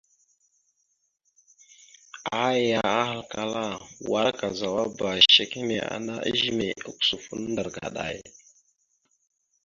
Aya ahalkala: « Wara kazawaba shek hine ana ezine ogǝsufo ndar kaɗay ».